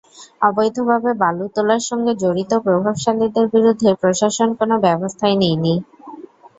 অবৈধভাবে বালু তোলার সঙ্গে জড়িত প্রভাবশালীদের বিরুদ্ধে প্রশাসন কোনো ব্যবস্থাই নেয়নি।